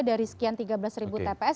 dari sekian tiga belas ribu tps